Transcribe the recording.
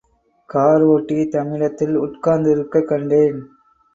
காரோட்டி தம்மிடத்தில் உட்கார்த்திருக்கக் கண்டேன்.